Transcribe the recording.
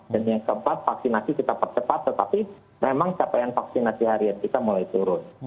dan yang keempat vaksinasi kita percepat tetapi memang capaian vaksinasi harian kita mulai turun